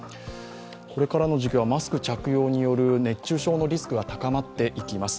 これからの時期はマスク着用による熱中症のリスクが高まっていきます。